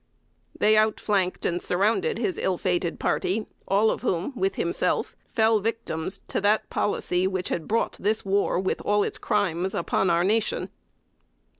They out flanked and surrounded his ill fated party, all of whom with himself fell victims to that policy which had brought this war, with all its crimes, upon our nation.